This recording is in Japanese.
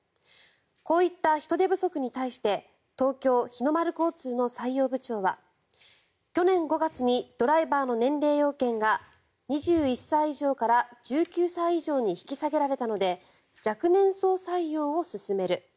こういった人手不足に対して東京・日の丸交通の採用部長は去年５月にドライバーの年齢要件が２１歳以上から１９歳以上に引き下げられたので若年層採用を進める。